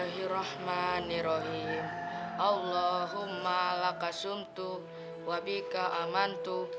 ya allah mahmati kau